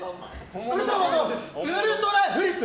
ウルトラマンのウルトラフリップ。